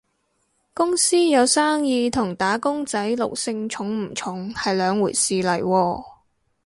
公司有生意同打工仔奴性重唔重係兩回事嚟喎